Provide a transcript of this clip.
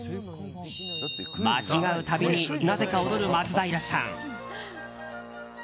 間違う度になぜか踊る松平さん。